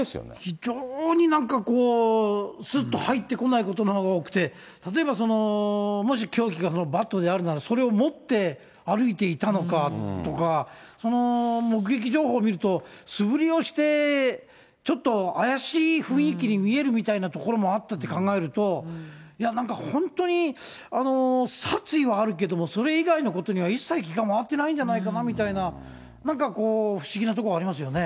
非常になんかこう、すっと入ってこないことのほうが多くて、例えばもし凶器がそのバットであるなら、それを持って歩いていたのかとか、目撃情報見ると、素振りをして、ちょっと怪しい雰囲気に見えるみたいなところもあったって考えると、いや、なんか本当に、殺意はあるけども、それ以外のことには一切気が回ってないんじゃないかなみたいな、なんかこう、不思議なところありますよね。